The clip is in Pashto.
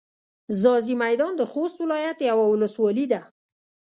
ځاځي میدان د خوست ولایت یوه ولسوالي ده.